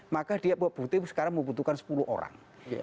maka dia bukti sekarang membutuhkan sepuluh orang